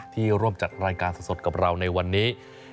ร่วมจัดรายการสดกับเราในวันนี้